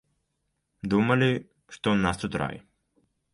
Думалі, што ў нас тут рай.